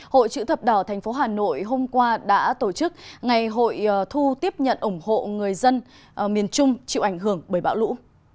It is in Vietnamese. hội chữ thập đỏ tp hà nội hôm qua đã tổ chức ngày hội thu tiếp nhận ủng hộ người dân miền trung chịu ảnh hưởng bởi bão lũ